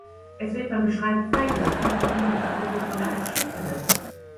Es wird beim Beschreiben freigelassen und dient der Papyrusrolle als Schutzhülle.